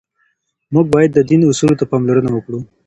موږ باید د دین اصولو ته پاملرنه وکړو.